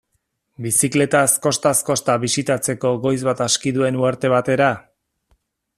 Bizikletaz kostaz-kosta bisitatzeko goiz bat aski duen uharte batera?